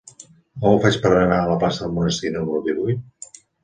Com ho faig per anar a la plaça del Monestir número divuit?